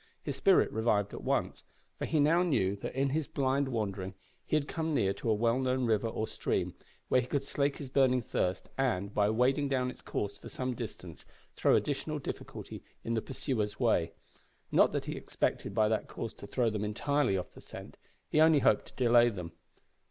His spirit revived at once, for he now knew that in his blind wandering he had come near to a well known river or stream, where he could slake his burning thirst, and, by wading down its course for some distance, throw additional difficulty in the pursuers' way. Not that he expected by that course to throw them entirely off the scent, he only hoped to delay them.